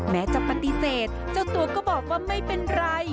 แม้จะปฏิเสธเจ้าตัวก็บอกว่าไม่เป็นไร